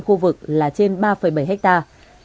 khu vực là trên ba bảy hectare